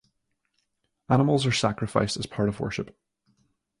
Animals are sacrificed as part of worship.